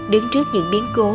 đứng trước những biến cố